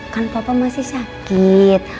kan papa masih sakit